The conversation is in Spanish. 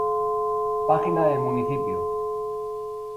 Página del municipio